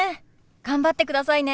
頑張ってくださいね。